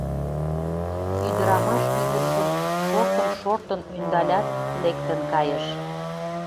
Ӱдырамаш ӱдыржым шортын-шортын ӧндалят, лектын кайыш.